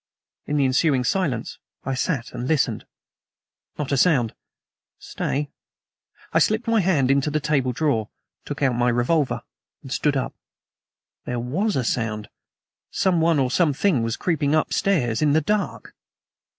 In the ensuing silence I sat and listened. Not a sound. Stay! I slipped my hand into the table drawer, took out my revolver, and stood up. There WAS a sound. Someone or something was creeping upstairs in the dark!